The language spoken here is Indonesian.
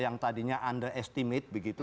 yang tadinya underestimate